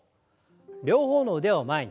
両方の腕を前に。